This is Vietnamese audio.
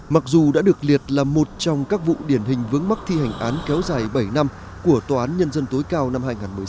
mặc dù đã được liệt là một trong các vụ điển hình vướng mắc thi hành án kéo dài bảy năm của tòa án nhân dân tối cao năm hai nghìn một mươi sáu